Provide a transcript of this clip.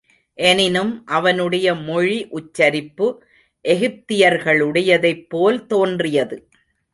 எனினும் அவனுடைய மொழி உச்சரிப்பு எகிப்தியர்களுடையதைப் போல் தோன்றியது.